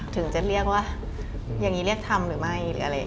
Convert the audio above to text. ถึงจะเรียกว่าอย่างนี้เรียกทำหรือไม่